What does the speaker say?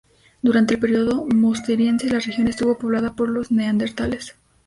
Durante el periodo Musteriense la región estuvo poblada por los neandertales.